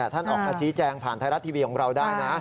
ท่านออกมาชี้แจงผ่านไทยรัฐทีวีของเราได้นะ